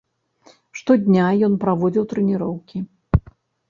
Штодня ён праводзіў трэніроўкі.